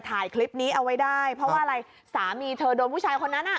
ถ่ายคลิปนี้เอาไว้ได้เพราะว่าอะไรสามีเธอโดนผู้ชายคนนั้นอ่ะ